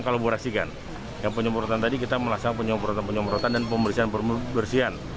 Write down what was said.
kalau berhasil kan yang penyemprotan tadi kita melaksanakan penyemprotan penyemprotan dan pembersihan pembersihan